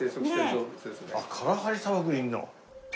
カラハリ砂漠にいるの？